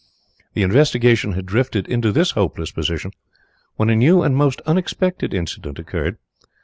The investigation had drifted into this hopeless position when a new and most unexpected incident occurred.